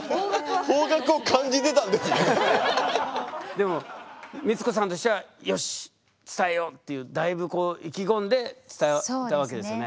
でも光子さんとしてはよし伝えようっていうだいぶ意気込んで伝えたわけですよね。